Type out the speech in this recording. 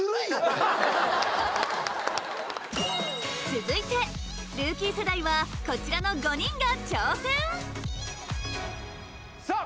続いてルーキー世代はこちらの５人が挑戦さあ